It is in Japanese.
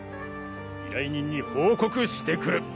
依頼人に報告してくる。